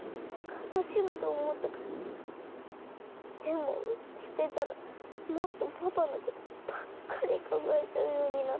でも捨てたらもっとパパのことばっかり考えちゃうようになって。